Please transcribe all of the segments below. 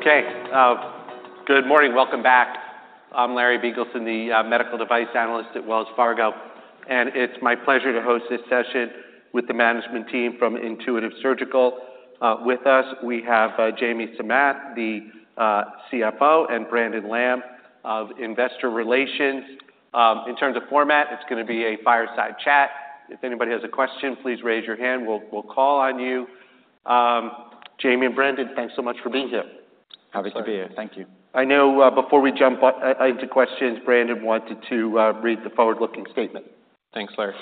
Okay, good morning. Welcome back. I'm Larry Biegelsen, the medical device analyst at Wells Fargo, and it's my pleasure to host this session with the management team from Intuitive Surgical. With us, we have Jamie Samath, the CFO, and Brandon Lamm of Investor Relations. In terms of format, it's gonna be a fireside chat. If anybody has a question, please raise your hand. We'll call on you. Jamie and Brandon, thanks so much for being here. Happy to be here. Thank you. I know, before we jump into questions, Brandon wanted to read the forward-looking statement. Thanks, Larry.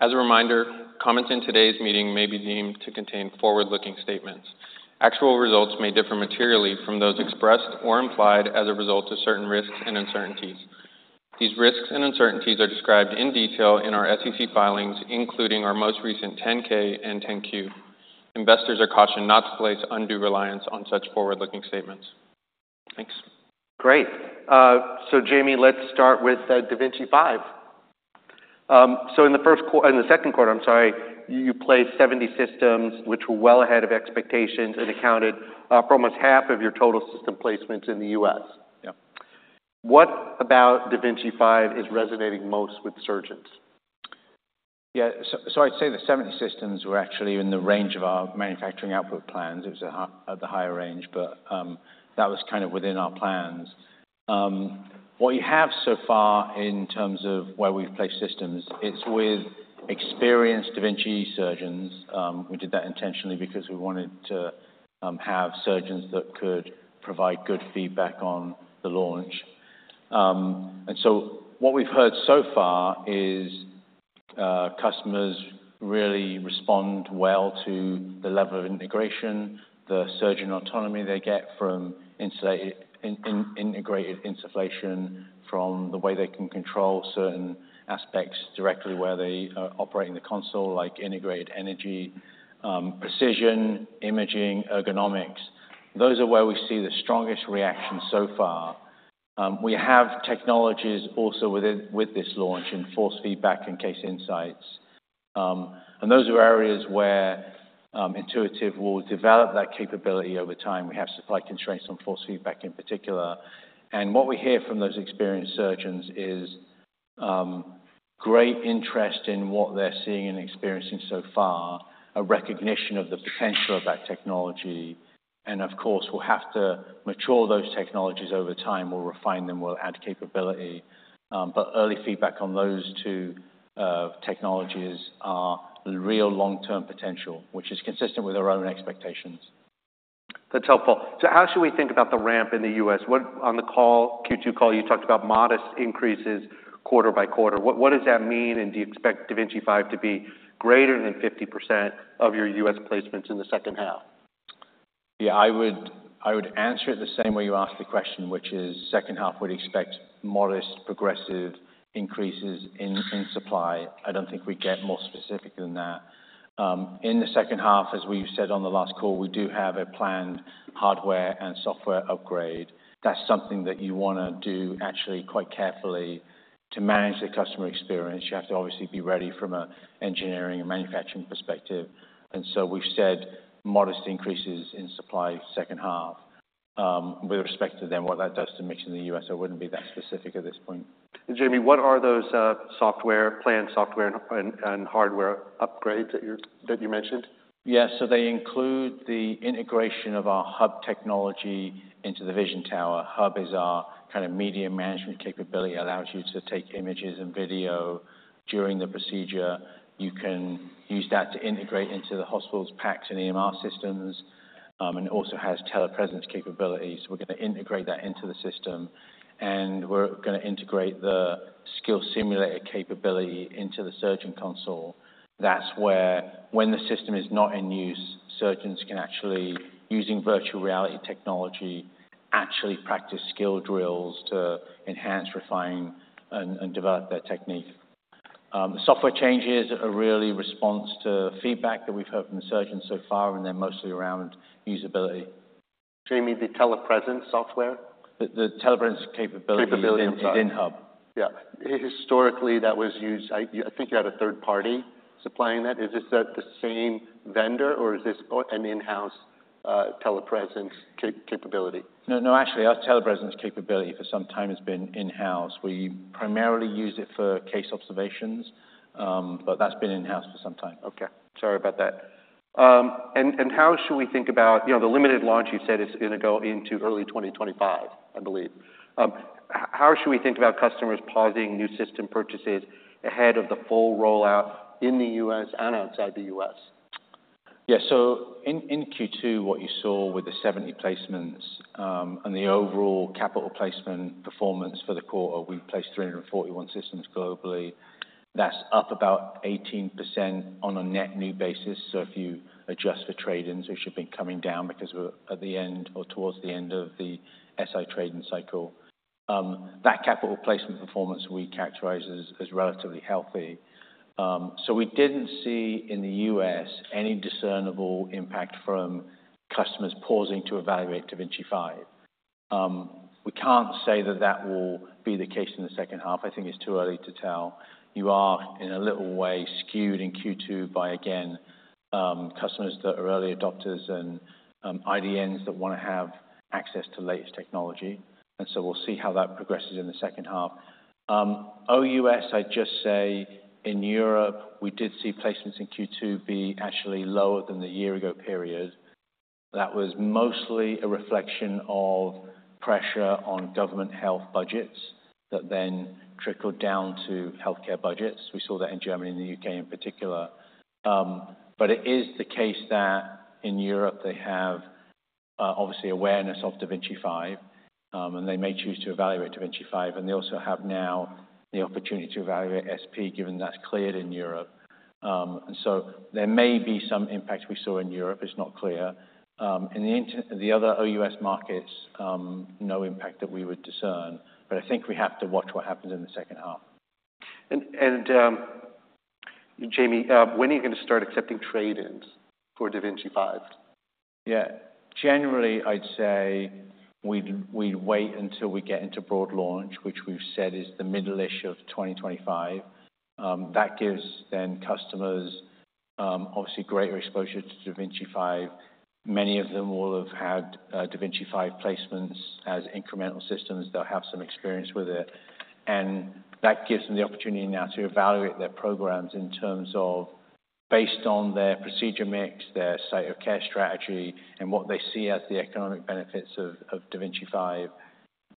As a reminder, comments in today's meeting may be deemed to contain forward-looking statements. Actual results may differ materially from those expressed or implied as a result of certain risks and uncertainties. These risks and uncertainties are described in detail in our SEC filings, including our most recent 10-K and 10-Q. Investors are cautioned not to place undue reliance on such forward-looking statements. Thanks. Great. So Jamie, let's start with da Vinci 5. In the second quarter, I'm sorry, you placed 70 systems, which were well ahead of expectations and accounted for almost half of your total system placements in the U.S.. Yeah. What about da Vinci 5 is resonating most with surgeons? Yeah, so I'd say the 70 systems were actually in the range of our manufacturing output plans. It was at the higher range, but that was kind of within our plans. What you have so far in terms of where we've placed systems, it's with experienced da Vinci surgeons. We did that intentionally because we wanted to have surgeons that could provide good feedback on the launch. And so what we've heard so far is, customers really respond well to the level of integration, the surgeon autonomy they get from integrated insufflation, from the way they can control certain aspects directly where they are operating the console, like integrated energy, precision, imaging, ergonomics. Those are where we see the strongest reaction so far. We have technologies also with this launch in force feedback and Case Insights. And those are areas where Intuitive will develop that capability over time. We have supply constraints on force feedback in particular. And what we hear from those experienced surgeons is great interest in what they're seeing and experiencing so far, a recognition of the potential of that technology. And of course, we'll have to mature those technologies over time. We'll refine them. We'll add capability. But early feedback on those two technologies are the real long-term potential, which is consistent with our own expectations. That's helpful. So how should we think about the ramp in the U.S.? What... On the call, Q2 call, you talked about modest increases quarter by quarter. What, what does that mean, and do you expect da Vinci 5 to be greater than 50% of your U.S. placements in the second half? Yeah, I would answer it the same way you asked the question, which is second half. We'd expect modest progressive increases in supply. I don't think we'd get more specific than that. In the second half, as we've said on the last call, we do have a planned hardware and software upgrade. That's something that you wanna do actually quite carefully to manage the customer experience. You have to obviously be ready from an engineering and manufacturing perspective. And so we've said modest increases in supply second half. With respect to then what that does to mix in the U.S., I wouldn't be that specific at this point. Jamie, what are those planned software and hardware upgrades that you mentioned? Yeah, so they include the integration of our Hub technology into the vision tower. Hub is our kind of media management capability, allows you to take images and video during the procedure. You can use that to integrate into the hospital's PACS and EMR systems, and it also has telepresence capabilities. We're gonna integrate that into the system, and we're gonna integrate the skill simulator capability into the surgeon console. That's where, when the system is not in use, surgeons can actually, using virtual reality technology, actually practice skill drills to enhance, refine, and develop their technique. The software changes are really response to feedback that we've heard from the surgeons so far, and they're mostly around usability. Jamie, the telepresence software? The telepresence capability- Capability. In Hub. Yeah. Historically, that was used. I think you had a third party supplying that. Is this the same vendor, or is this an in-house telepresence capability? No, no, actually, our telepresence capability for some time has been in-house. We primarily use it for case observations, but that's been in-house for some time. Okay. Sorry about that. How should we think about, you know, the limited launch you said is gonna go into early 2025, I believe. How should we think about customers pausing new system purchases ahead of the full rollout in the U.S. and outside the U.S.? Yeah. So in Q2, what you saw with the 70 placements, and the overall capital placement performance for the quarter, we placed 341 systems globally. That's up about 18% on a net new basis. So if you adjust for trade-ins, which have been coming down because we're at the end or towards the end of the da Vinci Si trade-in cycle, that capital placement performance we characterize as relatively healthy. So we didn't see in the U.S. any discernible impact from customers pausing to evaluate da Vinci 5. We can't say that that will be the case in the second half. I think it's too early to tell. You are, in a little way, skewed in Q2 by, again, customers that are early adopters and IDNs that wanna have access to the latest technology. And so we'll see how that progresses in the second half. OUS, I'd just say, in Europe, we did see placements in Q2 be actually lower than the year ago period. That was mostly a reflection of pressure on government health budgets that then trickled down to healthcare budgets. We saw that in Germany and the U.K. in particular. But it is the case that in Europe, they have obviously awareness of da Vinci 5, and they may choose to evaluate da Vinci 5, and they also have now the opportunity to evaluate SP, given that's cleared in Europe. And so there may be some impact we saw in Europe. It's not clear. In the other OUS markets, no impact that we would discern, but I think we have to watch what happens in the second half. Jamie, when are you gonna start accepting trade-ins for da Vinci 5? Yeah. Generally, I'd say we'd wait until we get into broad launch, which we've said is the middle-ish of 2025. That gives them customers obviously greater exposure to da Vinci 5. Many of them will have had da Vinci 5 placements as incremental systems. They'll have some experience with it, and that gives them the opportunity now to evaluate their programs in terms of, based on their procedure mix, their site of care strategy, and what they see as the economic benefits of da Vinci 5,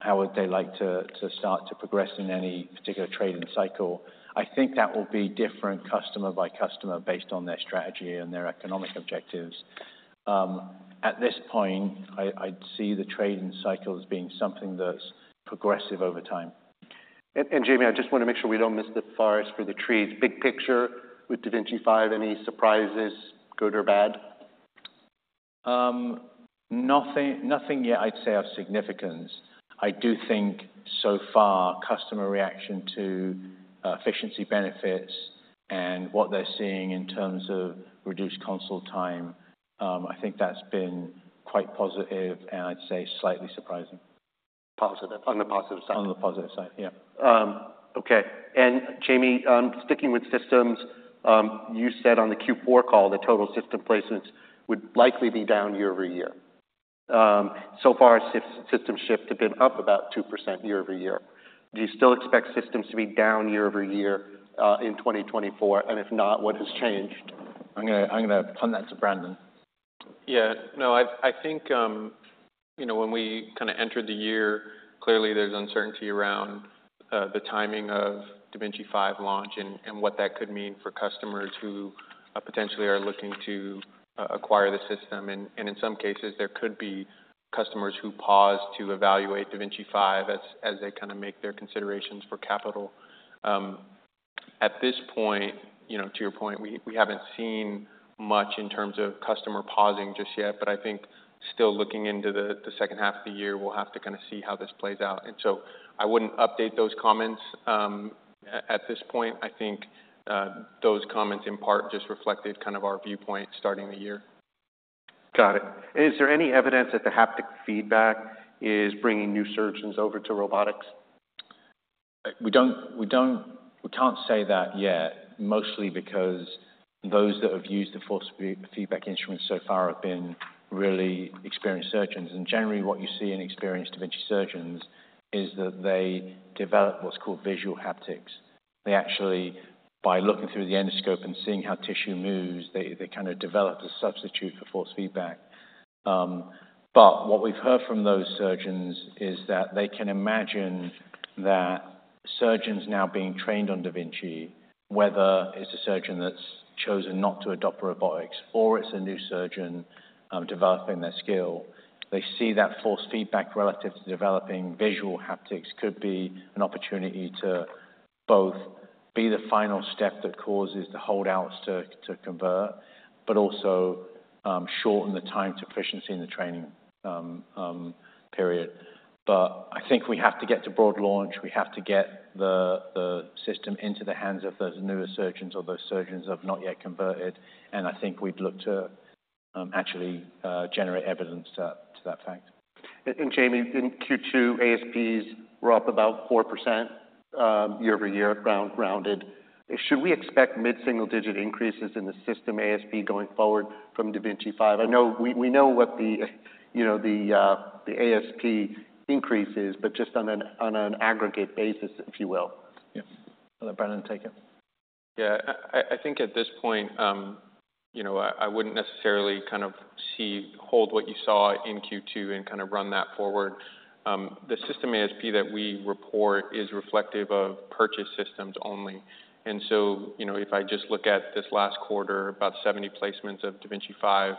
how would they like to start to progress in any particular trade-in cycle? I think that will be different customer by customer based on their strategy and their economic objectives. At this point, I'd see the trade-in cycle as being something that's progressive over time. Jamie, I just wanna make sure we don't miss the forest for the trees. Big picture with da Vinci 5, any surprises, good or bad? Nothing, nothing yet I'd say of significance. I do think so far, customer reaction to efficiency benefits and what they're seeing in terms of reduced console time. I think that's been quite positive, and I'd say slightly surprising. Positive. On the positive side? On the positive side, yeah. Okay. And Jamie, sticking with systems, you said on the Q4 call that total system placements would likely be down year-over-year. So far, system shifts have been up about 2% year-over-year. Do you still expect systems to be down year-over-year in 2024? And if not, what has changed? I'm gonna, I'm gonna turn that to Brandon. Yeah. No, I, I think, you know, when we kinda entered the year, clearly there's uncertainty around the timing of da Vinci 5 launch and, and what that could mean for customers who potentially are looking to acquire the system. And, and in some cases, there could be customers who pause to evaluate da Vinci 5 as, as they kinda make their considerations for capital. At this point, you know, to your point, we, we haven't seen much in terms of customer pausing just yet, but I think still looking into the, the second half of the year, we'll have to kinda see how this plays out. And so I wouldn't update those comments. At, at this point, I think those comments, in part, just reflected kind of our viewpoint starting the year. Got it. Is there any evidence that the haptic feedback is bringing new surgeons over to robotics? We don't. We can't say that yet, mostly because those that have used the force feedback instruments so far have been really experienced surgeons. And generally, what you see in experienced da Vinci surgeons is that they develop what's called visual haptics. They actually, by looking through the endoscope and seeing how tissue moves, they kind of develop a substitute for force feedback. But what we've heard from those surgeons is that they can imagine that surgeons now being trained on da Vinci, whether it's a surgeon that's chosen not to adopt robotics or it's a new surgeon, developing their skill, they see that force feedback relative to developing visual haptics could be an opportunity to both be the final step that causes the holdouts to convert, but also, shorten the time to proficiency in the training period. I think we have to get to broad launch. We have to get the system into the hands of those newer surgeons or those surgeons who have not yet converted, and I think we'd look to actually generate evidence to that fact. Jamie, in Q2, ASPs were up about 4%, year-over-year, rounded. Should we expect mid-single-digit increases in the system ASP going forward from da Vinci 5? I know we know what the, you know, the ASP increase is, but just on an aggregate basis, if you will. Yes. I'll let Brandon take it. Yeah. I think at this point, you know, I wouldn't necessarily kind of see hold what you saw in Q2 and kind of run that forward. The system ASP that we report is reflective of purchase systems only. And so, you know, if I just look at this last quarter, about 70 placements of da Vinci 5,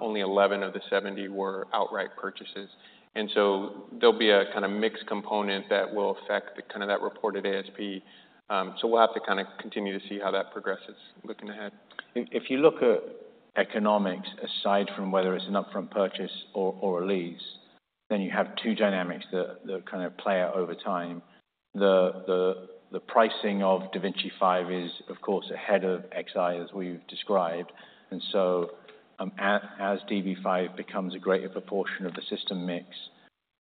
only 11 of the 70 were outright purchases. And so there'll be a kinda mixed component that will affect the kinda that reported ASP. So we'll have to kinda continue to see how that progresses looking ahead. If you look at economics, aside from whether it's an upfront purchase or a lease, then you have two dynamics that kind of play out over time. The pricing of da Vinci 5 is, of course, ahead of Xi, as we've described. And so, as da Vinci 5 becomes a greater proportion of the system mix,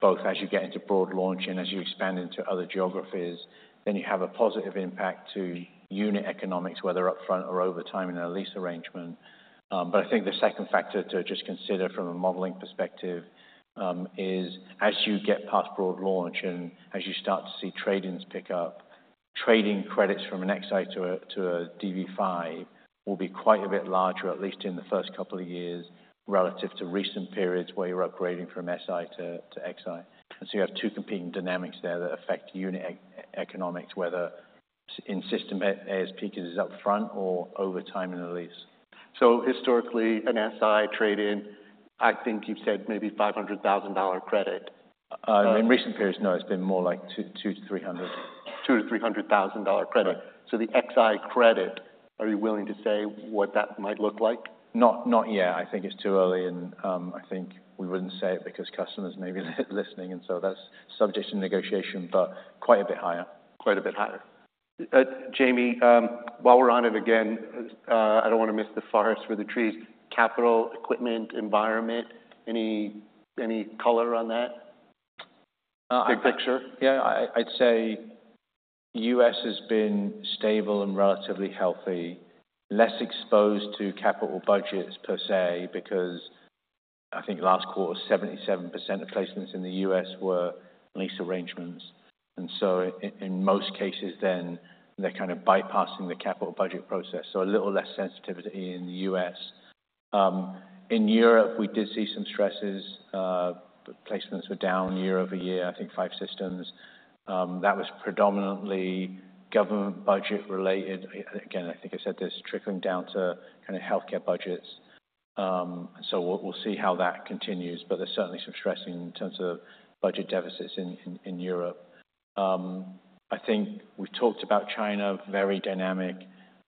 both as you get into broad launch and as you expand into other geographies, then you have a positive impact to unit economics, whether upfront or over time in a lease arrangement. But I think the second factor to just consider from a modeling perspective is as you get past broad launch and as you start to see trade-ins pick up, trade-in credits from a Xi to a da Vinci 5 will be quite a bit larger, at least in the first couple of years, relative to recent periods where you're upgrading from Si to Xi. And so you have two competing dynamics there that affect unit economics, whether system ASP is upfront or over time in a lease. Historically, an Si trade-in, I think you've said maybe $500,000 credit. In recent periods, no, it's been more like $200,000-$300,000. $200,000-$300,000 credit. Right. So the Xi credit, are you willing to say what that might look like? Not, not yet. I think it's too early, and, I think we wouldn't say it because customers may be listening, and so that's subject to negotiation, but quite a bit higher. Quite a bit higher. Jamie, while we're on it, again, I don't wanna miss the forest with the trees. Capital, equipment, environment, any color on that? Uh, Big picture. Yeah, I'd say U.S. has been stable and relatively healthy, less exposed to capital budgets, per se, because I think last quarter, 77% of placements in the U.S. were lease arrangements. And so in most cases then, they're kind of bypassing the capital budget process, so a little less sensitivity in the U.S. In Europe, we did see some stresses, but placements were down year-over-year, I think five systems. That was predominantly government budget related. Again, I think I said this, trickling down to kind of healthcare budgets. So we'll see how that continues, but there's certainly some stressing in terms of budget deficits in Europe. I think we've talked about China, very dynamic.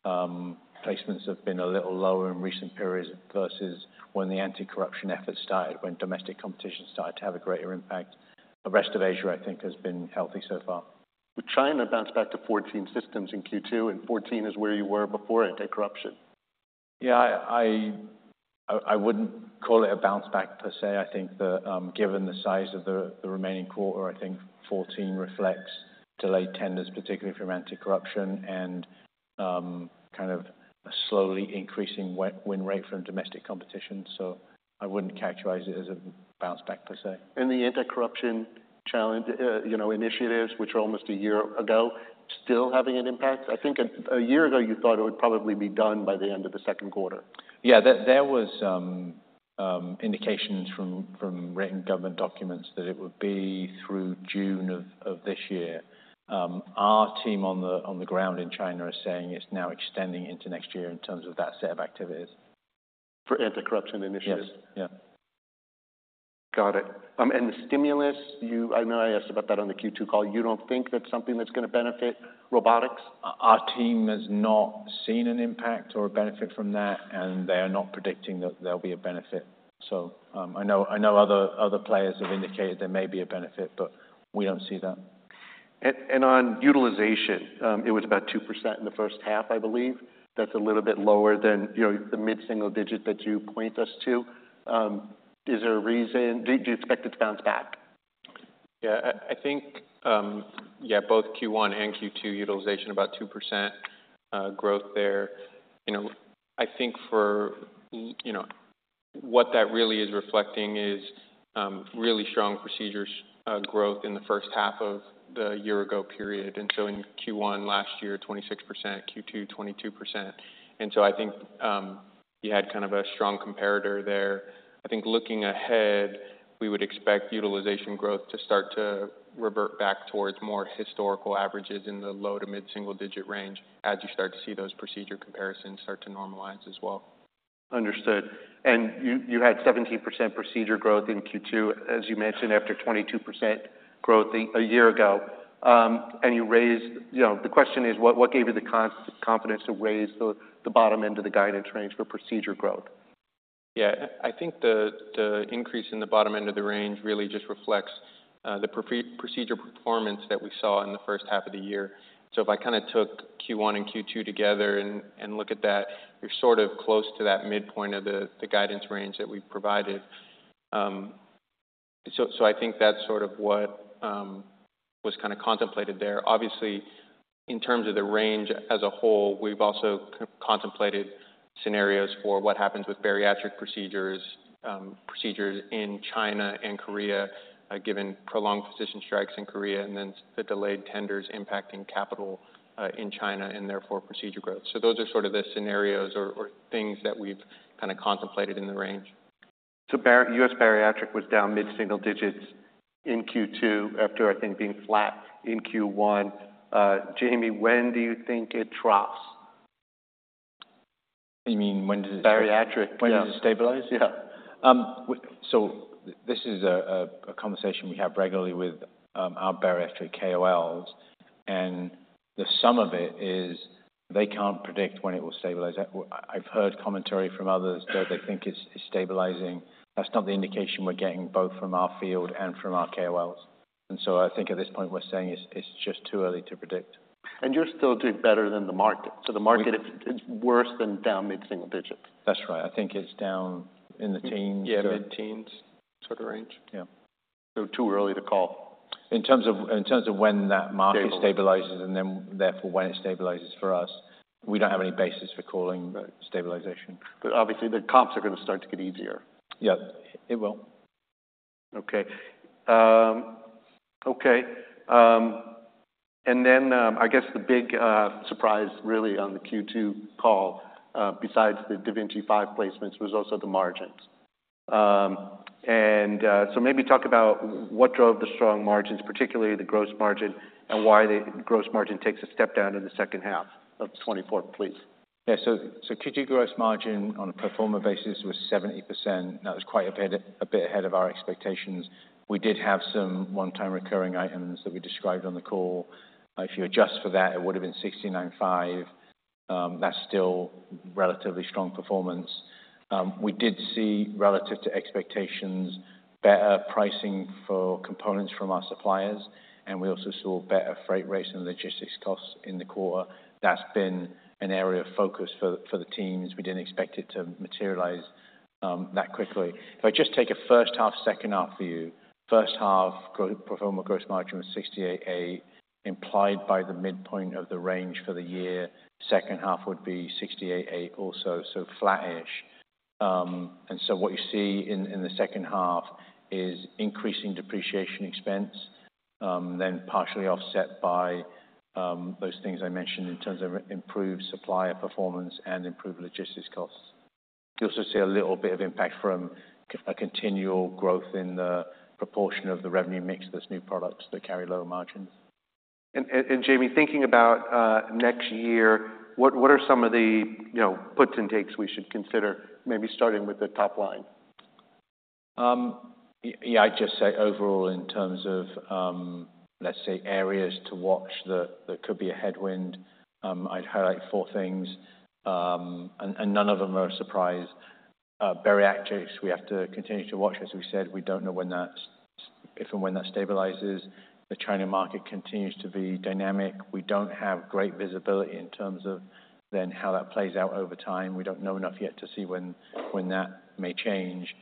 Placements have been a little lower in recent periods versus when the anti-corruption effort started, when domestic competition started to have a greater impact. The rest of Asia, I think, has been healthy so far. Would China bounce back to 14 systems in Q2, and 14 is where you were before anti-corruption? Yeah, I wouldn't call it a bounce back per se. I think, given the size of the remaining quarter, I think 14 reflects delayed tenders, particularly from anti-corruption and, kind of a slowly increasing win rate from domestic competition. So I wouldn't characterize it as a bounce back per se. The anti-corruption challenge, you know, initiatives, which are almost a year ago, still having an impact? I think a year ago, you thought it would probably be done by the end of the second quarter. Yeah, there was some indications from written government documents that it would be through June of this year. Our team on the ground in China are saying it's now extending into next year in terms of that set of activities. For anti-corruption initiatives? Yes. Yeah. Got it. And the stimulus, you-- I know I asked about that on the Q2 call. You don't think that's something that's gonna benefit robotics? Our team has not seen an impact or a benefit from that, and they are not predicting that there'll be a benefit. So, I know other players have indicated there may be a benefit, but we don't see that. On utilization, it was about 2% in the first half, I believe. That's a little bit lower than, you know, the mid-single digit that you point us to. Is there a reason? Do you expect it to bounce back? Yeah, I think, yeah, both Q1 and Q2 utilization about 2% growth there. You know, I think for, you know, what that really is reflecting is really strong procedures growth in the first half of the year-ago period. And so in Q1 last year, 26%, Q2, 22%. And so I think you had kind of a strong comparator there. I think looking ahead, we would expect utilization growth to start to revert back towards more historical averages in the low- to mid-single-digit range, as you start to see those procedure comparisons start to normalize as well. Understood. And you had 17% procedure growth in Q2, as you mentioned, after 22% growth a year ago. And you raised... You know, the question is, what gave you the confidence to raise the bottom end of the guidance range for procedure growth? Yeah, I think the increase in the bottom end of the range really just reflects the procedure performance that we saw in the first half of the year. So if I kind of took Q1 and Q2 together and look at that, we're sort of close to that midpoint of the guidance range that we provided. So I think that's sort of what was kind of contemplated there. Obviously, in terms of the range as a whole, we've also contemplated scenarios for what happens with bariatric procedures, procedures in China and Korea, given prolonged physician strikes in Korea, and then the delayed tenders impacting capital in China, and therefore, procedure growth. So those are sort of the scenarios or things that we've kind of contemplated in the range. U.S. bariatric was down mid-single digits in Q2 after, I think, being flat in Q1. Jamie, when do you think it drops? You mean, when does it- Bariatric, yeah. When does it stabilize? Yeah. So this is a conversation we have regularly with our bariatric KOLs, and the sum of it is they can't predict when it will stabilize. I've heard commentary from others that they think it's stabilizing. That's not the indication we're getting both from our field and from our KOLs, and so I think at this point, we're saying it's just too early to predict. And you're still doing better than the market. So the market is worse than down mid-single digits. That's right. I think it's down in the teens. Yeah, mid-teens sort of range. Yeah. So, too early to call. In terms of when that market stabilizes, and then therefore, when it stabilizes for us, we don't have any basis for calling the stabilization. But obviously, the comps are gonna start to get easier. Yeah, it will. Okay. Okay, and then, I guess the big surprise really on the Q2 call, besides the da Vinci 5 placements, was also the margins. So maybe talk about what drove the strong margins, particularly the gross margin, and why the gross margin takes a step down in the second half of 2024, please. Yeah. So Q2 gross margin on a pro forma basis was 70%, and that was quite a bit, a bit ahead of our expectations. We did have some one-time recurring items that we described on the call. If you adjust for that, it would've been 69.5%. That's still relatively strong performance. We did see, relative to expectations, better pricing for components from our suppliers, and we also saw better freight rates and logistics costs in the quarter. That's been an area of focus for the teams. We didn't expect it to materialize that quickly. If I just take a first half, second half view, first half pro forma gross margin was 68.8%, implied by the midpoint of the range for the year. Second half would be 68.8% also, so flat-ish. And so what you see in the second half is increasing depreciation expense, then partially offset by those things I mentioned in terms of improved supplier performance and improved logistics costs. You also see a little bit of impact from a continual growth in the proportion of the revenue mix, those new products that carry lower margins. Jamie, thinking about next year, what are some of the, you know, puts and takes we should consider, maybe starting with the top line? Yeah, I'd just say overall, in terms of, let's say, areas to watch that could be a headwind, I'd highlight four things, and none of them are a surprise. Bariatrics, we have to continue to watch. As we said, we don't know when that's, if and when that stabilizes. The China market continues to be dynamic. We don't have great visibility in terms of then how that plays out over time. We don't know enough yet to see when that may change.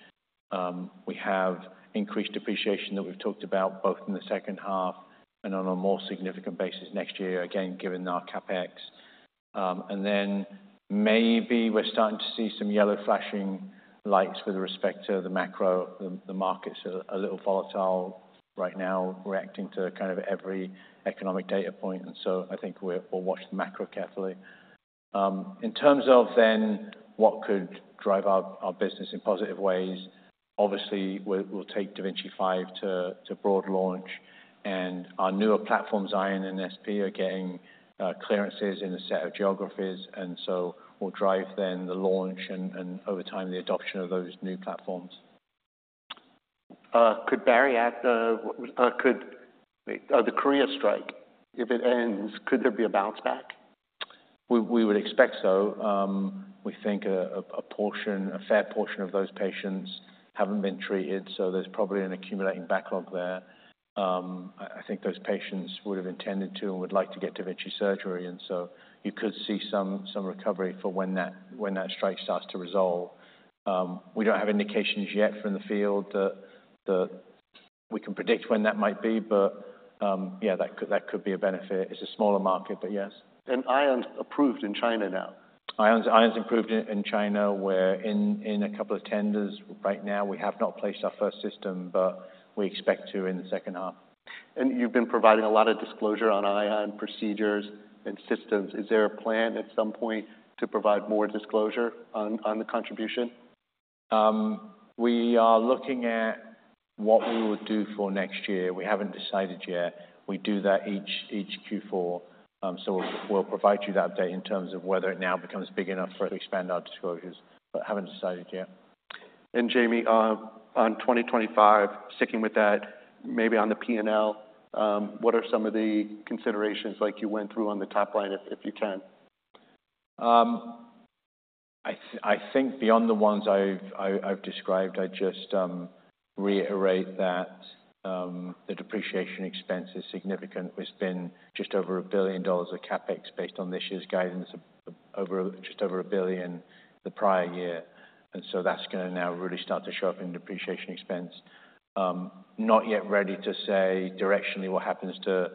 We have increased depreciation that we've talked about, both in the second half and on a more significant basis next year, again, given our CapEx. And then maybe we're starting to see some yellow flashing lights with respect to the macro. The market's a little volatile right now. We're reacting to kind of every economic data point, and so I think we'll watch the macro carefully. In terms of then what could drive our business in positive ways, obviously, we'll take da Vinci 5 to broad launch, and our newer platforms, Ion and SP, are getting clearances in a set of geographies. And so we'll drive then the launch and over time, the adoption of those new platforms. The Korea strike, if it ends, could there be a bounce back? We would expect so. We think a fair portion of those patients haven't been treated, so there's probably an accumulating backlog there. I think those patients would've intended to and would like to get da Vinci surgery, and so you could see some recovery for when that strike starts to resolve. We don't have indications yet from the field that we can predict when that might be, but yeah, that could be a benefit. It's a smaller market, but yes. Ion’s approved in China now? Ion's approved in China. We're in a couple of tenders right now. We have not placed our first system, but we expect to in the second half. You've been providing a lot of disclosure on Ion procedures and systems. Is there a plan at some point to provide more disclosure on, on the contribution? We are looking at what we would do for next year. We haven't decided yet. We do that each Q4. So we'll provide you that update in terms of whether it now becomes big enough for it to expand our disclosures, but haven't decided yet. And Jamie, on 2025, sticking with that, maybe on the P&L, what are some of the considerations like you went through on the top line, if you can? I think beyond the ones I've described, I'd just reiterate that the depreciation expense is significant. We spend just over $1 billion of CapEx based on this year's guidance, just over $1 billion the prior year, and so that's gonna now really start to show up in depreciation expense. Not yet ready to say directionally what happens to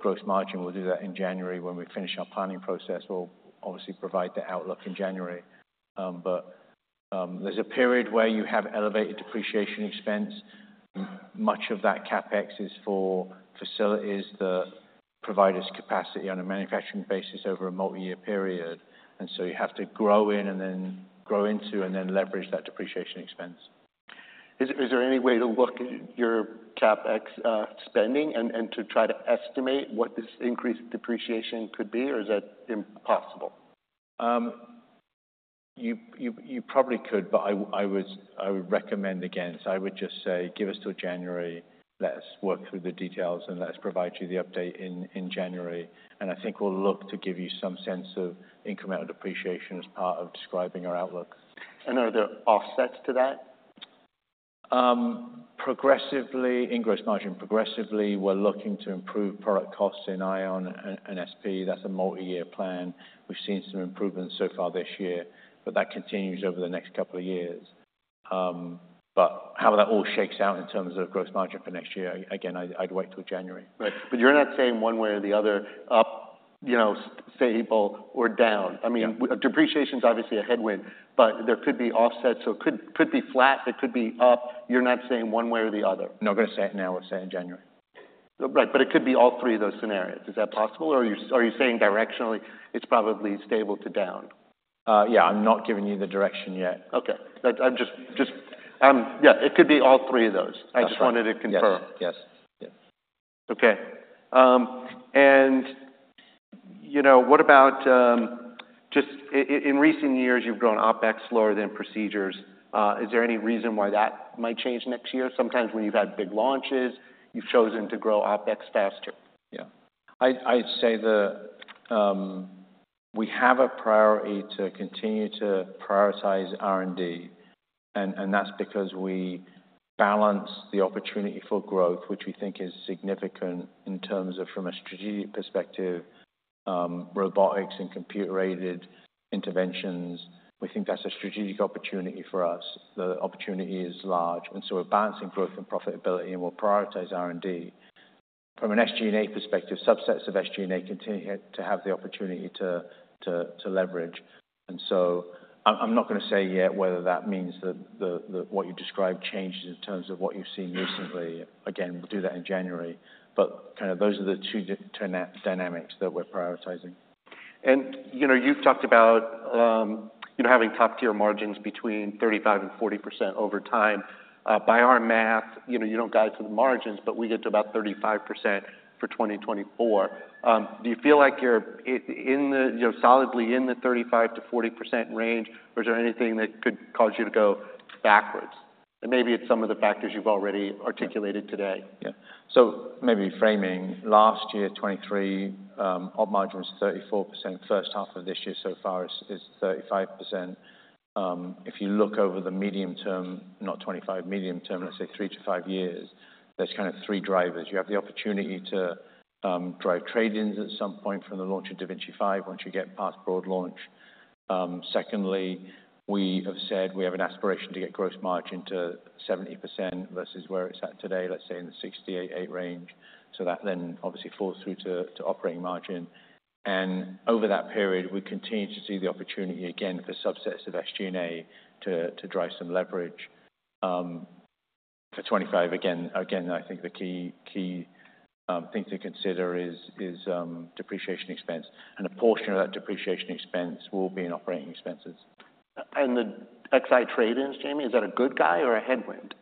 gross margin. We'll do that in January. When we finish our planning process, we'll obviously provide the outlook in January, but there's a period where you have elevated depreciation expense. Much of that CapEx is for facilities that provide us capacity on a manufacturing basis over a multiyear period, and so you have to grow in and then grow into and then leverage that depreciation expense. Is there any way to look at your CapEx spending and to try to estimate what this increased depreciation could be, or is that impossible?... You probably could, but I would recommend against. I would just say, give us till January. Let us work through the details, and let us provide you the update in January. And I think we'll look to give you some sense of incremental depreciation as part of describing our outlook. Are there offsets to that? Progressively, in gross margin, we're looking to improve product costs in Ion and SP. That's a multi-year plan. We've seen some improvements so far this year, but that continues over the next couple of years. But how that all shakes out in terms of gross margin for next year, again, I'd wait till January. Right. But you're not saying one way or the other, up, you know, stable or down. Yeah. I mean, depreciation's obviously a headwind, but there could be offsets, so it could be flat, it could be up. You're not saying one way or the other? Not gonna say it now, we'll say it in January. Right, but it could be all three of those scenarios. Is that possible, or are you saying directionally, it's probably stable to down? Yeah, I'm not giving you the direction yet. Okay. I'm just... Yeah, it could be all three of those. That's right. I just wanted to confirm. Yes. Yes, yes. Okay, and you know, what about just in recent years, you've grown OpEx slower than procedures. Is there any reason why that might change next year? Sometimes when you've had big launches, you've chosen to grow OpEx faster. Yeah. I'd say that we have a priority to continue to prioritize R&D, and that's because we balance the opportunity for growth, which we think is significant in terms of, from a strategic perspective, robotics and computer-aided interventions. We think that's a strategic opportunity for us. The opportunity is large, and so we're balancing growth and profitability, and we'll prioritize R&D. From an SG&A perspective, subsets of SG&A continue to have the opportunity to leverage. And so I'm not gonna say yet whether that means that the what you described changes in terms of what you've seen recently. Again, we'll do that in January. But kind of those are the two net dynamics that we're prioritizing. You know, you've talked about, you know, having top-tier margins between 35% and 40% over time. By our math, you know, you don't guide to the margins, but we get to about 35% for 2024. Do you feel like you're in the, you know, solidly in the 35%-40% range, or is there anything that could cause you to go backwards? And maybe it's some of the factors you've already articulated today. Yeah. So maybe framing, last year, 2023, op margin was 34%. First half of this year so far is 35%. If you look over the medium term, not 2025, medium term, let's say three to five years, there's kind of three drivers. You have the opportunity to drive trade-ins at some point from the launch of da Vinci 5, once you get past broad launch. Secondly, we have said we have an aspiration to get gross margin to 70% versus where it's at today, let's say in the 68.8% range. So that then obviously falls through to operating margin. And over that period, we continue to see the opportunity again for subsets of SG&A to drive some leverage. For 2025, again, I think the key thing to consider is depreciation expense, and a portion of that depreciation expense will be in operating expenses. The Xi trade-ins, Jamie, is that a good guy or a headwind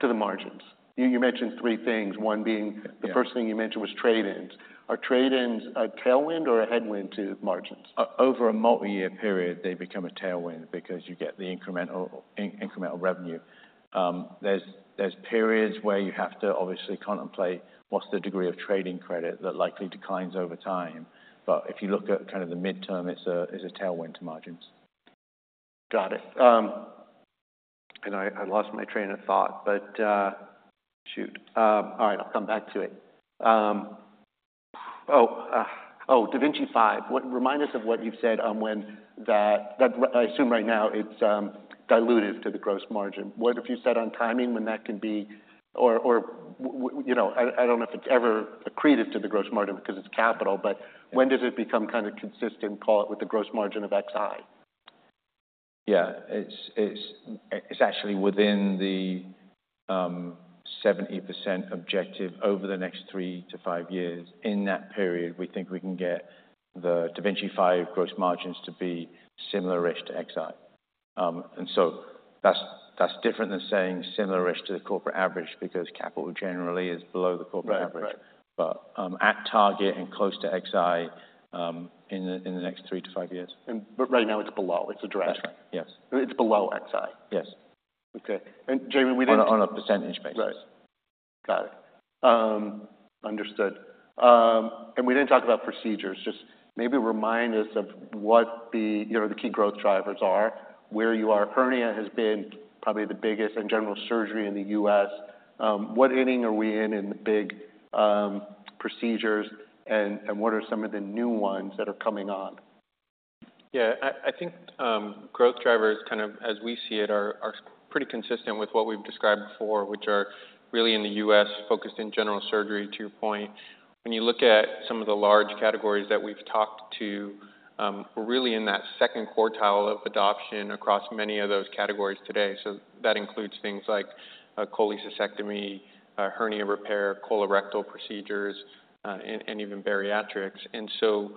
to the margins? You mentioned three things, one being- Yeah. The first thing you mentioned was trade-ins. Are trade-ins a tailwind or a headwind to margins? Over a multiyear period, they become a tailwind because you get the incremental revenue. There's periods where you have to obviously contemplate what's the degree of trade-in credit that likely declines over time. But if you look at kind of the midterm, it's a tailwind to margins. Got it. And I lost my train of thought, but shoot. All right, I'll come back to it. Oh, da Vinci 5. What? Remind us of what you've said on when that I assume right now it's dilutive to the gross margin. What have you said on timing, when that can be. Or you know, I don't know if it's ever accretive to the gross margin because it's capital, but when does it become kind of consistent, call it, with the gross margin of Xi? Yeah. It's actually within the 70% objective over the next three to five years. In that period, we think we can get the da Vinci 5 gross margins to be similar-ish to Xi. And so that's different than saying similar-ish to the corporate average, because capital generally is below the corporate average. Right. Right. At target and close to Xi, in the next three to five years. Right now it's below. It's a drag? That's right, yes. It's below Xi. Yes. Okay. And Jamie, we didn't- On a percentage basis. Right. Got it. Understood, and we didn't talk about procedures, just maybe remind us of what the, you know, the key growth drivers are, where you are. Hernia has been probably the biggest in general surgery in the U.S. What inning are we in, in the big procedures, and what are some of the new ones that are coming on? Yeah. I think growth drivers, kind of as we see it, are pretty consistent with what we've described before, which are really in the U.S., focused in general surgery, to your point. When you look at some of the large categories that we've talked to, we're really in that second quartile of adoption across many of those categories today. So that includes things like cholecystectomy, hernia repair, colorectal procedures, and even bariatrics. And so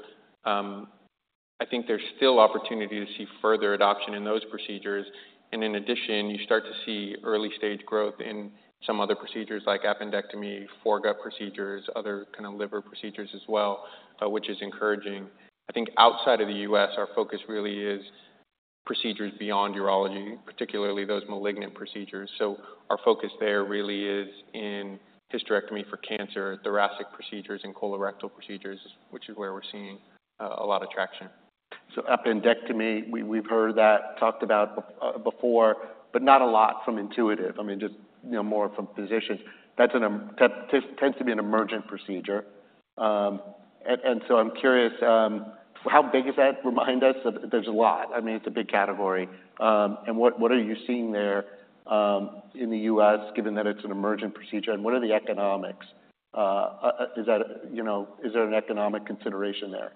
I think there's still opportunity to see further adoption in those procedures. And in addition, you start to see early-stage growth in some other procedures, like appendectomy, foregut procedures, other kind of liver procedures as well, which is encouraging. I think outside of the U.S., our focus really is procedures beyond urology, particularly those malignant procedures. So our focus there really is in hysterectomy for cancer, thoracic procedures, and colorectal procedures, which is where we're seeing a lot of traction. So appendectomy, we, we've heard that talked about before, but not a lot from Intuitive. I mean, just, you know, more from physicians. That's an emergent procedure, and so I'm curious, how big is that? Remind us. There's a lot. I mean, it's a big category, and what are you seeing there, in the U.S., given that it's an emergent procedure, and what are the economics? Is that, you know, is there an economic consideration there?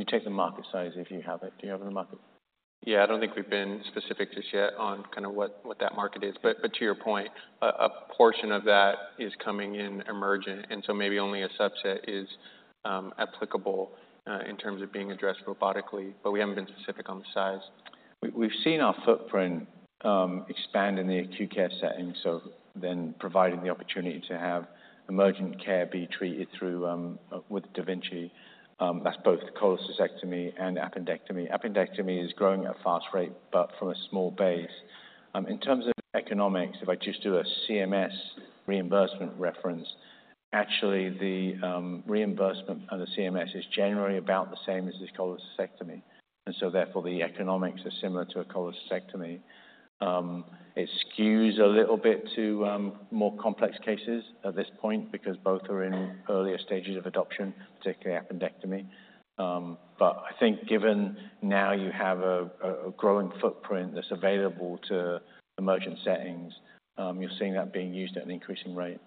You take the market size, if you have it. Do you have the market? Yeah, I don't think we've been specific just yet on kind of what that market is. But to your point, a portion of that is coming in emergent, and so maybe only a subset is applicable in terms of being addressed robotically, but we haven't been specific on the size. We've seen our footprint expand in the acute care setting, so then providing the opportunity to have emergent care be treated through with da Vinci. That's both cholecystectomy and appendectomy. Appendectomy is growing at a fast rate, but from a small base. In terms of economics, if I just do a CMS reimbursement reference, actually the reimbursement on the CMS is generally about the same as a cholecystectomy, and so therefore, the economics are similar to a cholecystectomy. It skews a little bit to more complex cases at this point because both are in earlier stages of adoption, particularly appendectomy. But I think given now you have a growing footprint that's available to emergent settings, you're seeing that being used at an increasing rate.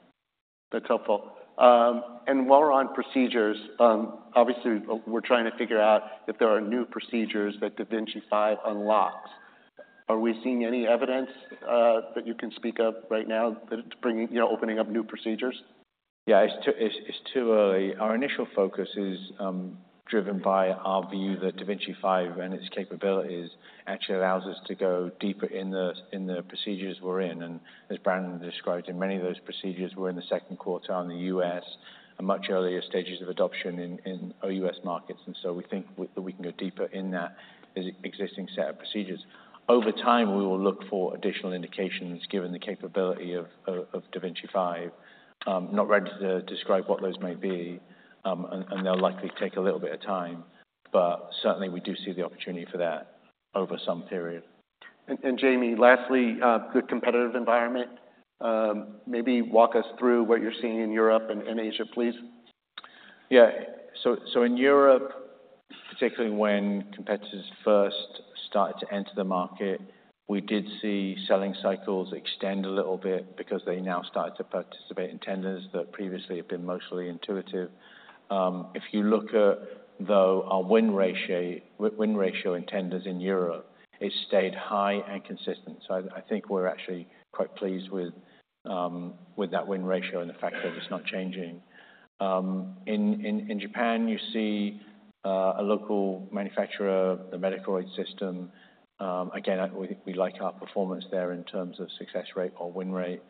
That's helpful. And while we're on procedures, obviously, we're trying to figure out if there are new procedures that da Vinci 5 unlocks. Are we seeing any evidence that you can speak of right now, that it's bringing, you know, opening up new procedures? Yeah, it's too early. Our initial focus is driven by our view that da Vinci 5 and its capabilities actually allows us to go deeper in the procedures we're in. And as Brandon described, in many of those procedures, we're in the second quarter on the U.S. and much earlier stages of adoption in our U.S. markets. And so we think we can go deeper in that existing set of procedures. Over time, we will look for additional indications, given the capability of da Vinci 5. Not ready to describe what those may be, and they'll likely take a little bit of time, but certainly, we do see the opportunity for that over some period. Jamie, lastly, the competitive environment. Maybe walk us through what you're seeing in Europe and in Asia, please. Yeah. So in Europe, particularly when competitors first started to enter the market, we did see selling cycles extend a little bit because they now started to participate in tenders that previously had been mostly Intuitive. If you look at, though, our win ratio in tenders in Europe, it stayed high and consistent. So I think we're actually quite pleased with that win ratio and the fact that it's not changing. In Japan, you see a local manufacturer, the Medicaroid system. Again, we like our performance there in terms of success rate or win rate.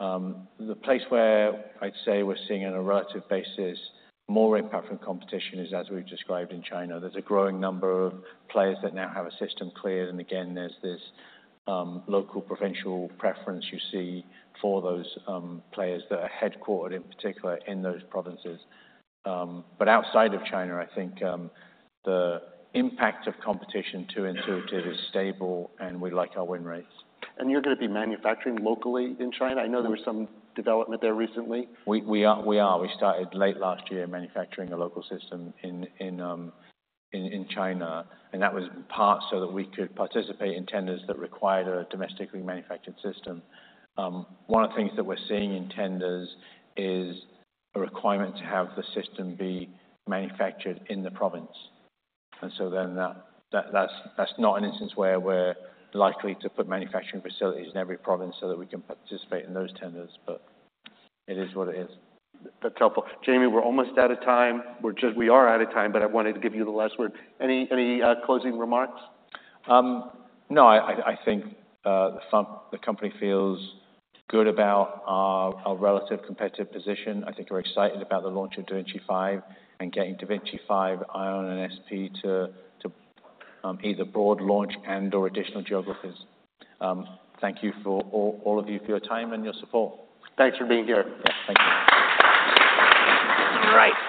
The place where I'd say we're seeing in a relative basis, more impact from competition is, as we've described in China. There's a growing number of players that now have a system cleared, and again, there's this, local provincial preference you see for those, players that are headquartered, in particular, in those provinces. But outside of China, I think, the impact of competition to Intuitive is stable, and we like our win rates. You're going to be manufacturing locally in China? I know there was some development there recently. We are. We started late last year manufacturing a local system in China, and that was in part so that we could participate in tenders that required a domestically manufactured system. One of the things that we're seeing in tenders is a requirement to have the system be manufactured in the province. And so then, that's not an instance where we're likely to put manufacturing facilities in every province so that we can participate in those tenders, but it is what it is. That's helpful. Jamie, we're almost out of time. We are out of time, but I wanted to give you the last word. Any closing remarks? No, I think the company feels good about our relative competitive position. I think we're excited about the launch of da Vinci 5 and getting da Vinci 5, Ion and SP to either broad launch and/or additional geographies. Thank you for all of you, for your time and your support. Thanks for being here. Yeah. Thank you. All right.